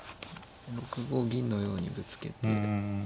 ６五銀のようにぶつけて。